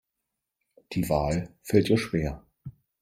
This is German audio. Die Wahl fällt ihr schwer.